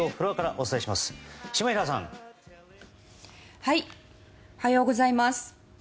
おはようございます。